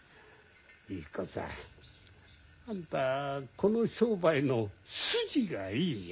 ゆき子さんあんたこの商売の筋がいいよ。